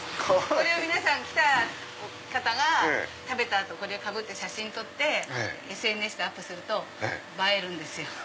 これを皆さん来た方が食べた後これかぶって写真撮ってＳＮＳにアップすると映える。